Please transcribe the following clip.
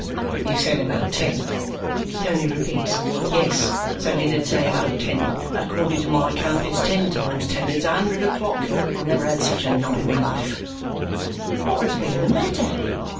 "You said about ten," Tony repeats. "Yes, so you did say about ten. But according to my count, it's ten times ten it's a hundred o'clock. I never had such a night in my life!" "What has been the matter?"